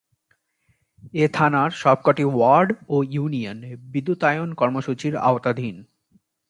এ থানার সবক’টি ওয়ার্ড ও ইউনিয়ন বিদ্যুতায়ন কর্মসূচির আওতাধীন।